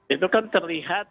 itu kan terlihat